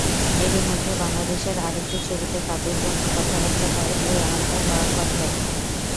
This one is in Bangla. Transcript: এরই মধ্যে বাংলাদেশের আরেকটি ছবিতে কাজের জন্য কথাবার্তা প্রায় চূড়ান্ত হওয়ার পথে।